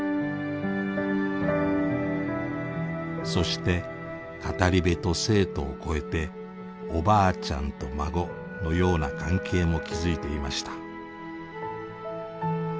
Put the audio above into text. そして語り部と生徒を超えておばあちゃんと孫のような関係も築いていました。